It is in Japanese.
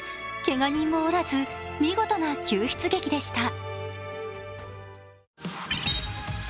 けが人もおらず、見事な救出劇でした。